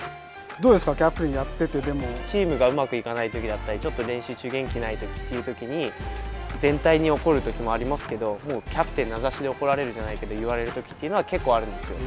どうですか、キャプテンやっチームがうまくいかないときだったり、ちょっと練習中元気ないっていうときに、全体に怒るときもありますけど、もうキャプテン名指しで怒られるじゃないけど、言われるときっていうのは結構あるんですよ。